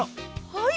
はい！